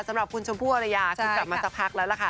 สำหรับคุณชมพู่วรรยาครับคุณกลับมาสักพักแล้วละ